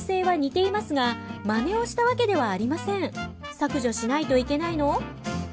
削除しないといけないの？